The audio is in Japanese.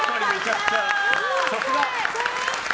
さすが！